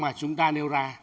mà chúng ta nêu ra